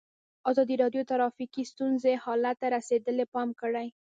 ازادي راډیو د ټرافیکي ستونزې حالت ته رسېدلي پام کړی.